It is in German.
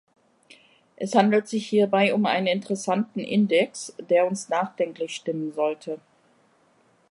Es handelt sich hierbei um einen interessanten Index, der uns nachdenklich stimmen sollte.